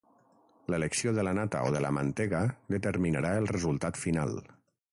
L'elecció de la nata o de la mantega determinarà el resultat final.